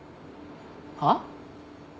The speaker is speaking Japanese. はっ？